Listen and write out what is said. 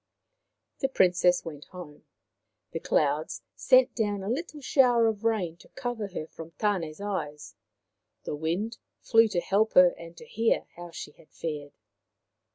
' The Princess went home. The clouds sent down a little shower of rain to cover her from Tane's eyes, the Wind flew to help her and to hear how she had fared.